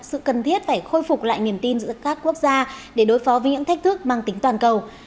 sự cần thiết phải khôi phục lại niềm tin giữa các quốc gia để đối phó với những thách thức mang tính toàn cầu